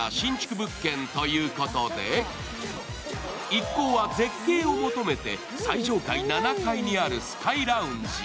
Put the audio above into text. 一行は絶景を求めて最上階７階にあるスカイラウンジへ。